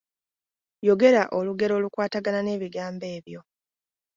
Yogera olugero olukwatagana n’ebigambo ebyo?